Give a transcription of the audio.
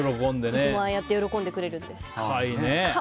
いつもああやって喜んでくれるんです。